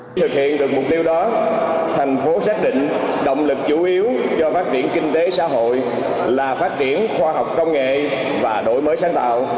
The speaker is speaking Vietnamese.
để thực hiện được mục tiêu đó thành phố xác định động lực chủ yếu cho phát triển kinh tế xã hội là phát triển khoa học công nghệ và đổi mới sáng tạo